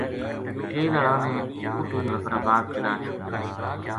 کیل ہالاں نے اُتو مظفرآباد چلا چھُڑیو